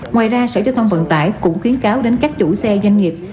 ngoài ra sở giao thông vận tải cũng khuyến cáo đến các chủ xe doanh nghiệp